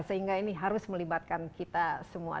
sehingga ini harus melibatkan kita semua